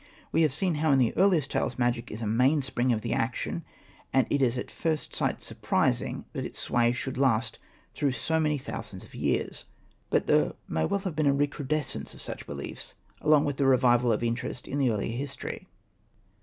We have seen how in the earliest tales magic is a mainspring of the action, and it is at first sight surprising that its sway should last through so many thousands of years. But there may well have been a recrudescence of such beliefs, along with the revival of interest in the earlier history.